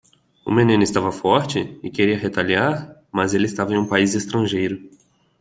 O menino estava forte? e queria retaliar?, mas ele estava em um país estrangeiro.